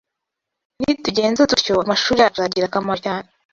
Nitugenza dutyo, amashuri yacu azagira akamaro cyane